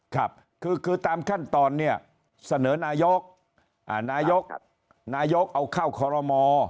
ครับคือตามขั้นตอนเนี่ยเสนอนายกนายกเอาเข้าคอรมอ